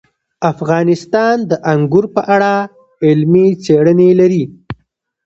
افغانستان د انګور په اړه علمي څېړنې لري.